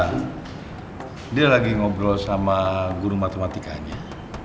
dia lagi ngobrol sama guru matematikanya